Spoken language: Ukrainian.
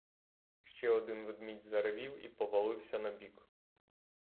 Ще один ведмідь заревів і повалився на бік.